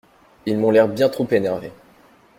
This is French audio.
Ils m’ont l’air bien trop énervés.